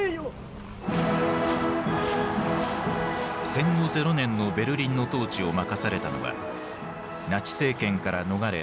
戦後ゼロ年のベルリンの統治を任されたのはナチ政権から逃れ